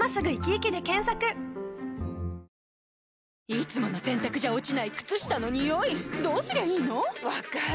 いつもの洗たくじゃ落ちない靴下のニオイどうすりゃいいの⁉分かる。